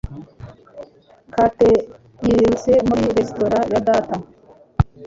Kate yirutse muri resitora ya data.